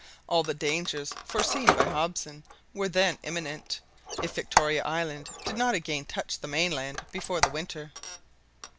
All the dangers foreseen by Hobson were then imminent, if Victoria Island did not again touch the mainland before the winter.